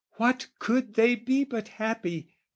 What could they be but happy?